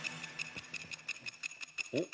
おっ。